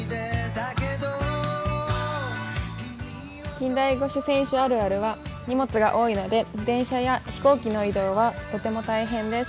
近代五種選手あるあるは、荷物が多いので、電車や飛行機の移動はとても大変です。